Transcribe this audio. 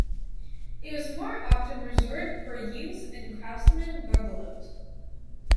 It was more often reserved for use in Craftsman Bungalows.